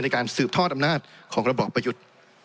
ในการสืบทอดอำนาจของระบอบประยุทธ์